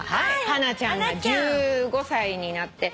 ハナちゃんが１５歳になって。